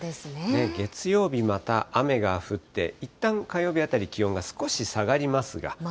月曜日、また雨が降って、いったん、火曜日あたり気温が少し下がりますが。